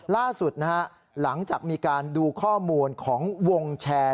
ล่าสุดนะฮะหลังจากมีการดูข้อมูลของวงแชร์